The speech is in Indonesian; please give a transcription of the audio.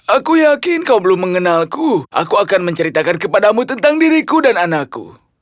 aku yakin kau belum mengenalku aku akan menceritakan kepadamu tentang diriku dan anakku